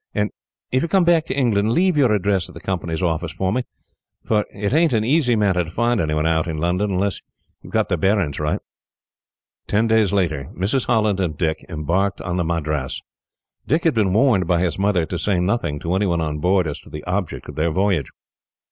And if you come back to England, leave your address at the Company's office for me; for it ain't an easy matter to find anyone out, in London, unless you have got their bearings right." Ten days later, Mrs. Holland and Dick embarked on the Madras. Dick had been warned, by his mother, to say nothing to anyone on board as to the object of their voyage.